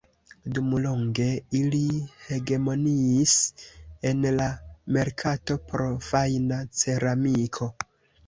Dumlonge, ili hegemoniis en la merkato por fajna ceramiko.